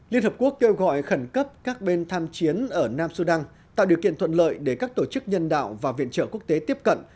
liên hợp quốc kêu gọi khẩn cấp các bên tham chiến ở nam sudan tạo điều kiện thuận lợi để các tổ chức nhân đạo và viện trợ quốc tế tiếp cận